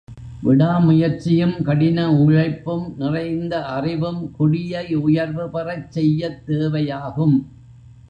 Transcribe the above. விடாமுயற்சியும், கடின உழைப்பும், நிறைந்த அறிவும் குடியை உயர்வு பெறச் செய்யத் தேவையாகும்.